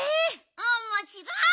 おもしろい！